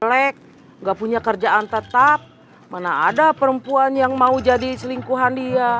jelek nggak punya kerjaan tetap mana ada perempuan yang mau jadi selingkuhan dia